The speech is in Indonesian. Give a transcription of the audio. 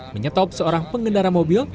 menyetop seorang pengendara mobil